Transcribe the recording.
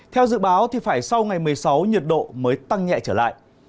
theo dự báo thì phải sau ngày một mươi sáu nhiệt độ mới tăng nhẹ trở lại